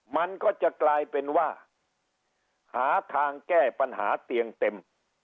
มันก็จะกลายเป็นว่าหาทางแก้ปัญหาเตียงเต็ม